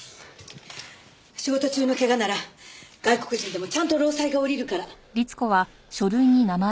仕事中の怪我なら外国人でもちゃんと労災が下りるから。